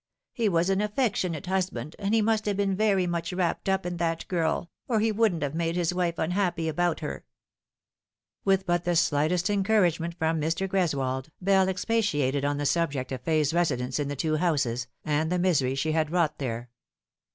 He was an affectionate husband, and he must have been very much wrapped up in that girl, or he wouldn't have made his wife unhappy about her." With but the slightest encouragement from Mr. Greswold, Bell expatiated on the subject of Fay's residence in the two houses, and the misery she had wrought there.